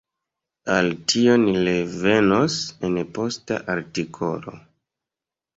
Al tio ni revenos en posta artikolo.